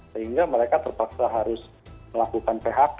sehingga mereka terpaksa harus melakukan phk